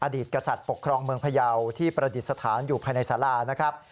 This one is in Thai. ตกกษัตริย์ปกครองเมืองพยาวที่ประดิษฐานอยู่ภายในสารานะครับ